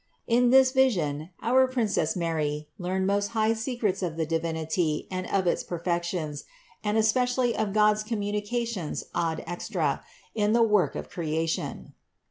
7. In this vision our Princess Mary learned most high secrets of the Divinity and of its perfections, and espe cially of God's communications ad extra in the work of THE INCARNATION 27 % creation.